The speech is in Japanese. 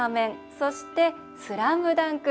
そして「スラムダンク」。